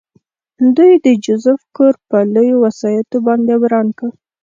دوی د جوزف کور په لویو وسایطو باندې وران کړ